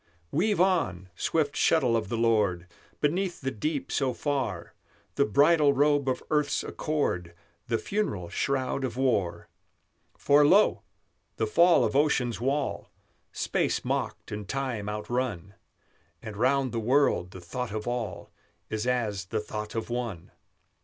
Weave on, swift shuttle of the Lord, Beneath the deep so far, The bridal robe of earth's accord, The funeral shroud of war! For lo! the fall of Ocean's wall Space mocked and time outrun; And round the world the thought of all Is as the thought of one!